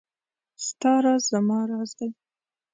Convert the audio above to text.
ستا راز زما راز دی .